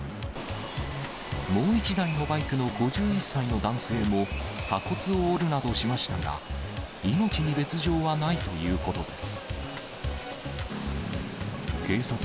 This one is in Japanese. もう１台のバイクの５１歳の男性も鎖骨を折るなどしましたが、命に別状はないということです。